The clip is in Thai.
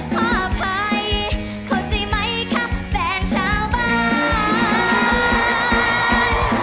ขออภัยเข้าใจไหมครับแฟนชาวบ้าน